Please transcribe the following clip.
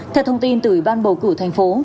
theo thông tin từ ban bầu cử thành phố